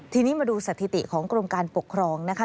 ทีนี้มาดูสถิติของกรมการปกครองนะคะ